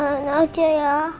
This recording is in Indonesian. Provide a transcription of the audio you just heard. kita kenalan aja ya